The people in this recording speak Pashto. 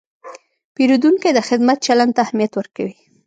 پیرودونکی د خدمت چلند ته اهمیت ورکوي.